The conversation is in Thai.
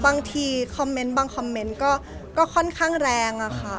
บางทีคอมเมนต์บางคอมเมนต์ก็ค่อนข้างแรงอะค่ะ